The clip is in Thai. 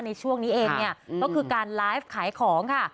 ในช่วงนี้เองเนี่ยก็คือการไลฟ์ขายของค่ะ